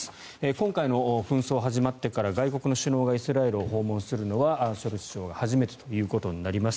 今回の紛争が始まってから外国の首脳がイスラエルを訪問するのはショルツ首相が初めてということになります。